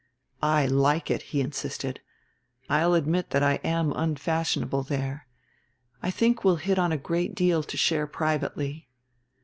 "I like it," he insisted. "I'll admit that I am unfashionable there. I think we'll hit on a great deal to share privately."